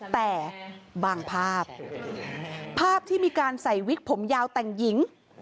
แต่บางภาพภาพที่มีการใส่วิกผมยาวแต่งหญิง